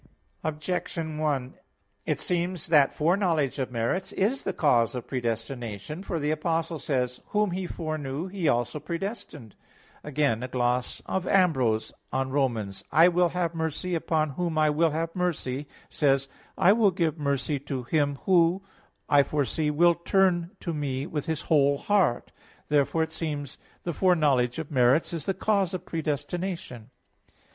Objection 1: It seems that foreknowledge of merits is the cause of predestination. For the Apostle says (Rom. 8:29): "Whom He foreknew, He also predestined." Again a gloss of Ambrose on Rom. 9:15: "I will have mercy upon whom I will have mercy" says: "I will give mercy to him who, I foresee, will turn to Me with his whole heart." Therefore it seems the foreknowledge of merits is the cause of predestination.